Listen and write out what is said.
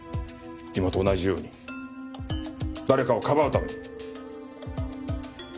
今と同じように誰かをかばうために。